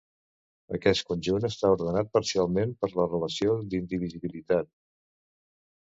Aquest conjunt està ordenat parcialment per la relació d'indivisibilitat.